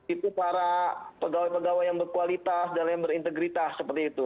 itu para pegawai pegawai yang berkualitas dan yang berintegritas seperti itu